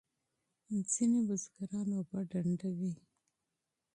ځینې بزګران اوبه ډنډوي.